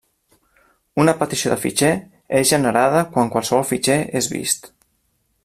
Una petició de fitxer és generada quan qualsevol fitxer és vist.